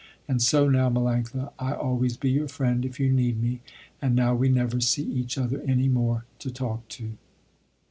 And so now Melanctha, I always be your friend, if you need me, and now we never see each other any more to talk to."